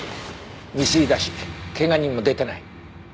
未遂だし怪我人も出てない。